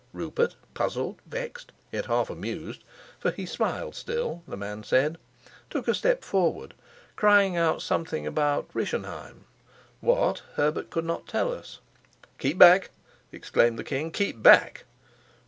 Rupert, puzzled, vexed, yet half amused (for he smiled still, the man said), took a step forward, crying out something about Rischenheim what, Herbert could not tell us. "Keep back," exclaimed the king. "Keep back."